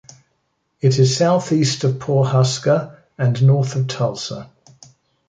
It is southeast of Pawhuska and north of Tulsa.